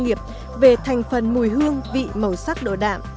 nước mắm truyền thống là nước mắm công nghiệp về thành phần mùi hương vị màu sắc độ đạm